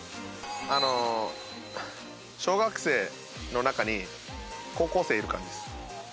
小学生の中に高校生いる感じです１人。